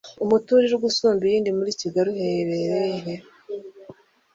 umuturirwa usumba iyindi muri Kigali uherereye he?